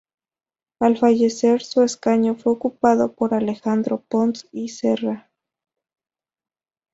Al fallecer, su escaño fue ocupado por Alejandro Pons y Serra.